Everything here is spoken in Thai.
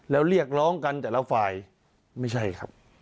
แล้วเรียกร้องกันแต่ละฝ่ายไม่ใช่ครับ